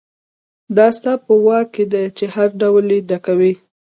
دا ستا په واک کې دي چې هر ډول یې ډکوئ.